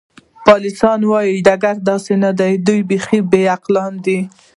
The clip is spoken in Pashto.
پاسیني وویل: ګرد داسې نه دي، دوی بیخي بې عقلان دي.